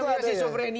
yang namanya sisu frenia